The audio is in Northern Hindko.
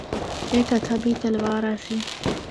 ہک ہتھا بچ تلوار آسی۔